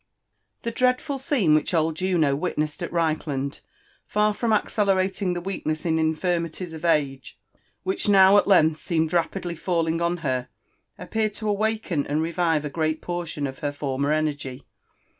The dreadful scene which old Juno witnessed at Reichland, far from accelerating the weakness and infirmities of age, which now at length seemed rapidly falling on her, appeared to awaken and revive a great portion of her former energy.